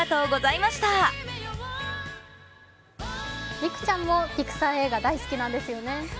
美空ちゃんもピクサー映画大好きなんですよね。